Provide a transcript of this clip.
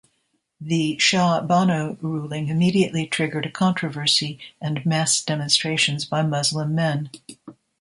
The Shah Bano ruling immediately triggered a controversy and mass demonstrations by Muslim men.